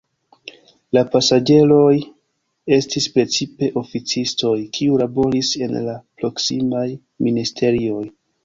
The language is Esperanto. La pasaĝeroj estis precipe oficistoj, kiuj laboris en la proksimaj ministerioj.